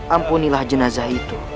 ampunilah jenazah itu